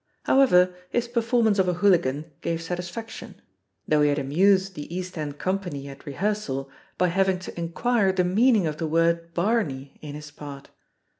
However, his performance of a hooligan gave satisfaction, though he had amused the East End company at rehearsal by having to inquire the meaning of the word "barney" in his part.